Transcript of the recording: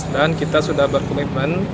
dan kita sudah berkomitmen